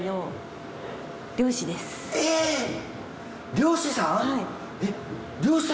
漁師さん！？